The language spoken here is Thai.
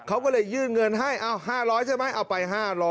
เขาก็เลยยื่นเงินให้๕๐๐ใช่ไหมเอาไป๕๐๐